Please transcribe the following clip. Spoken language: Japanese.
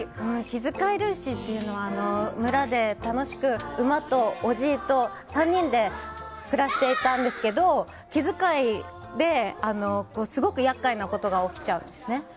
「気づかいルーシー」というのは村で楽しく馬とおじいと３人で暮らしていたんですけど気遣いで、すごく厄介なことが起きちゃうんですね。